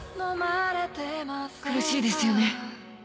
苦しいですよね。